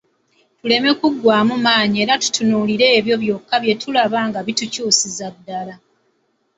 Tuleme kuggwaamu maanyi era tutunuulire ebyo byokka bye tulaba nga bitukyusiza ddala.